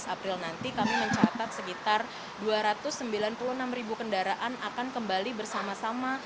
tujuh belas april nanti kami mencatat sekitar dua ratus sembilan puluh enam ribu kendaraan akan kembali bersama sama